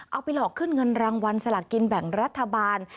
เอาไปหลอกขึ้นเงินรางวัลสลากกินแบ่งรัฐบาล